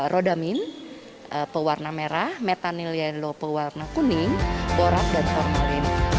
rodamin pewarna merah metanil yello pewarna kuning borak dan formalin